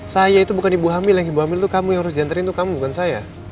saya itu bukan ibu hamil yang ibu hamil itu kamu yang harus diantarin tuh kamu bukan saya